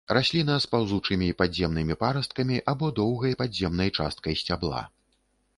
Расліна з паўзучымі падземнымі парасткамі або доўгай падземнай часткай сцябла.